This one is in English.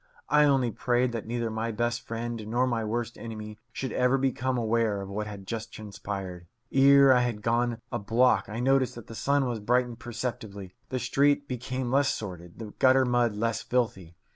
I only prayed that neither my best friend nor my worst enemy should ever become aware of what had just transpired. Ere I had gone a block I noticed that the sun had brightened perceptibly, the street become less sordid, the gutter mud less filthy.